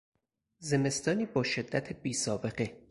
زمستانی با شدت بیسابقه